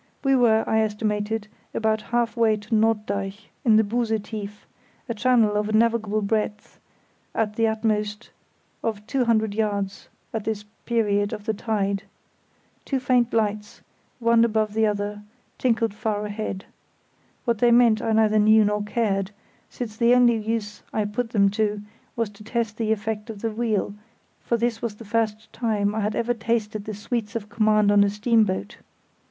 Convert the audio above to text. We were, I estimated, about half way to Norddeich, in the Buse Tief, a channel of a navigable breadth, at the utmost of two hundred yards at this period of the tide. Two faint lights, one above the other, twinkled far ahead. What they meant I neither knew nor cared, since the only use I put them to was to test the effect of the wheel, for this was the first time I had ever tasted the sweets of command on a steamboat.